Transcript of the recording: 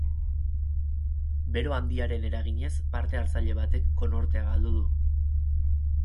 Bero handiaren eraginez, parte-hartzaile batek konortea galdu du.